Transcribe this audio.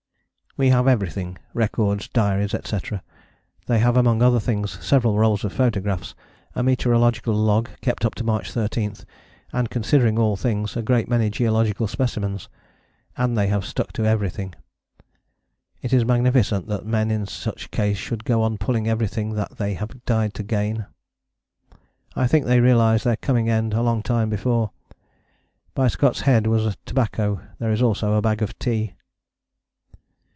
We have everything records, diaries, etc. They have among other things several rolls of photographs, a meteorological log kept up to March 13, and, considering all things, a great many geological specimens. And they have stuck to everything. It is magnificent that men in such case should go on pulling everything that they have died to gain. I think they realized their coming end a long time before. By Scott's head was tobacco: there is also a bag of tea.